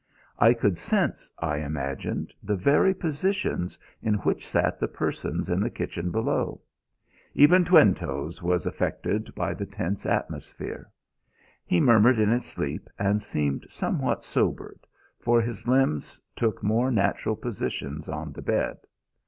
I could sense, I imagined, the very positions in which sat the persons in the kitchen below. Even Twinetoes was affected by the tense atmosphere. He murmured in his sleep and seemed somewhat sobered, for his limbs took more natural positions on the bed.